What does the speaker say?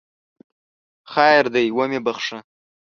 خیر دی ومې بخښه!